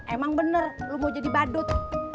emang bener lu mau jadi badut